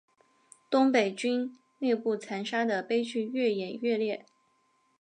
东北军内部残杀的悲剧愈演愈烈。